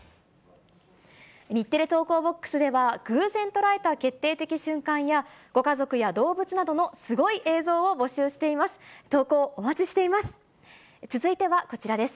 日テレ投稿ボックスでは、偶然捉えた決定的瞬間や、ご家族や動物などのすごい映像を募集しています。